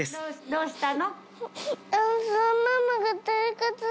どうしたの？